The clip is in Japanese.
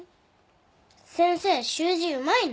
先生習字うまいね。